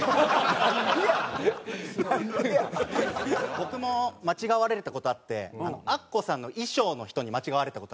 僕も間違われた事あってアッコさんの衣装の人に間違われた事あります。